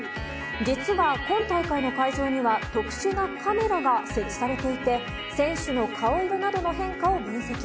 実は、今大会の会場には特殊なカメラが設置されていて選手の顔色などの変化を分析。